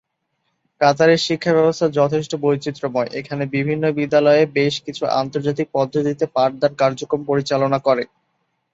কাতারে শিক্ষা ব্যবস্থা যথেষ্ট বৈচিত্র্যময়, এখানে বিভিন্ন বিদ্যালয়ে বেশ কিছু আন্তর্জাতিক পদ্ধতিতে পাঠদান কার্যক্রম পরিচালনা করে।